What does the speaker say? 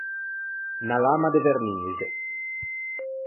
Unna lamma de vernixe.